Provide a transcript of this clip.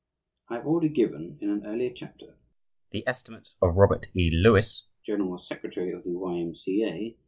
I have already given, in an earlier chapter, the estimate of Robert E. Lewis, general secretary of the Y. M. C. A.